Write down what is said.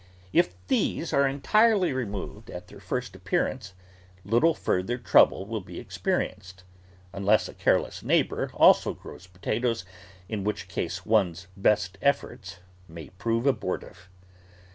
If these are entirely removed at their first appearance, little further trouble will be experi enced, unless a careless neighbour also grows po tatoes, in which case one's best efforts may prove abortive.